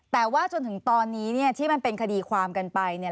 แต่ว่าจนถึงตอนนี้เนี่ยที่มันเป็นคดีความกันไปเนี่ย